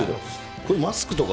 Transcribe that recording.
これ、マスクとか。